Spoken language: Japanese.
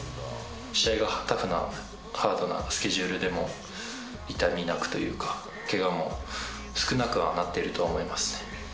試合がタフな、ハードなスケジュールでも、痛みなくというか、けがも少なくはなってると思います。